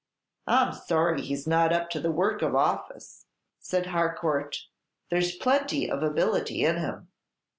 "I'm sorry he's not up to the work of office," said Har court; "there's plenty of ability in him."